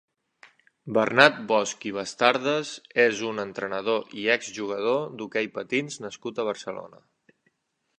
Bernat Bosch i Bastardes és un entrenador i ex-jugador d'hoquei patins nascut a Barcelona.